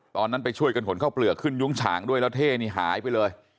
ตอนนั้นไปช่วยกันขนข้าวเปลือกขึ้นยุ้งฉางด้วยแล้วเท่นี่หายไปเลย